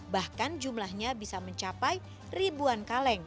bahkan jumlahnya bisa mencapai ribuan kaleng